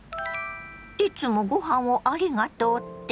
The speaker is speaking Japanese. いつもごはんをありがとうって？